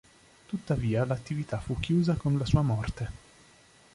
Tuttavia, l'attività fu chiusa con la sua morte.